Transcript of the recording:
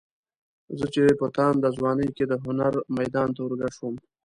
زه چې په تانده ځوانۍ کې د هنر میدان ته ورګډ شوم.